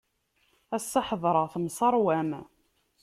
Ass-a ḥedṛeɣ temseṛwam.